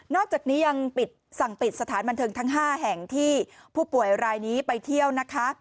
อกจากนี้ยังสั่งปิดสถานบันเทิงทั้ง๕แห่งที่ผู้ป่วยรายนี้ไปเที่ยวนะคะ